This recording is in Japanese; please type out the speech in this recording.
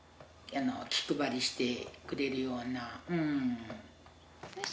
気配りしてくれるような。